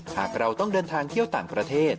หากเราต้องเดินทางเที่ยวต่างประเทศ